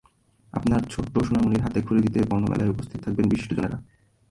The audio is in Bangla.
আপনার ছোট্ট সোনামণির হাতেখড়ি দিতে বর্ণমেলায় উপস্থিত থাকবেন বিশিষ্টজনেরা।